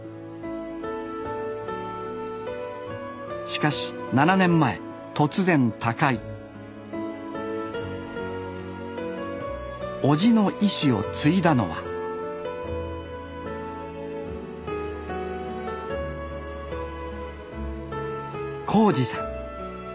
しかし７年前突然他界叔父の遺志を継いだのは孝次さん。